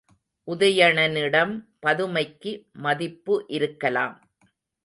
உதயணனிடம் பதுமைக்கு மதிப்பு இருக்கலாம்.